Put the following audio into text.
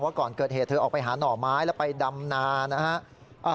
ก่อนเกิดเหตุเธอออกไปหาหน่อไม้แล้วไปดำนานะฮะ